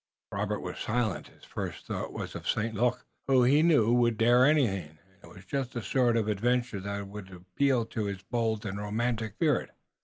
Robert was silent. His first thought was of St. Luc, who, he knew, would dare anything, and it was just the sort of adventure that would appeal to his bold and romantic spirit.